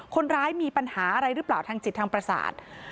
คนร้ายมีปัญหาอะไรหรือเปล่าทางจิตทางประสาท